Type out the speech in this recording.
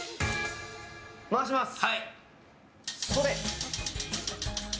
回します！